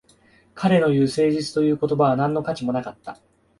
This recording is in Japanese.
彼の言う誠実という言葉は何の価値もなかった